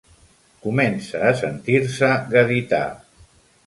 Comença a sentir-se gadità.